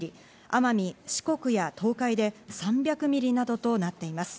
奄美、四国や東海で３００ミリなどとなっています。